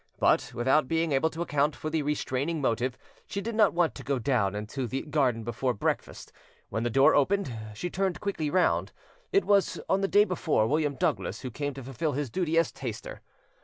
But, without being able to account for the restraining motive, she did not want to go down into the ga den before breakfast. When the door opened, 'she turned quickly round: it was, as on the day before, William Douglas, who came to fulfil his duty as taster.